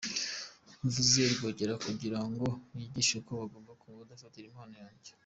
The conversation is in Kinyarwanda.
Mvuze Rwogera kugira ngo nigishe uko bagoma, kubadafite impano yanjye.